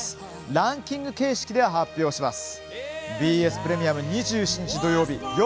ランキング形式で発表します。